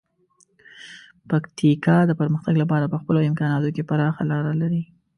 پکتیکا د پرمختګ لپاره په خپلو امکاناتو کې پراخه لاره لري.